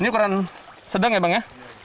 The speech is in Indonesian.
kira sedang ya bang ya